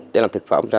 để làm thực phẩm ra